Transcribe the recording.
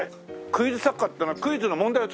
クイズ作家っていうのはクイズの問題を作るの？